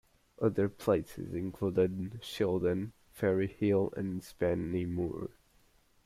Other places included Shildon, Ferryhill and Spennymoor.